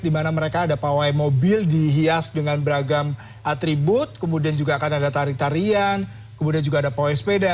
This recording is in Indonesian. di mana mereka ada pawai mobil dihias dengan beragam atribut kemudian juga akan ada tarik tarian kemudian juga ada pawai sepeda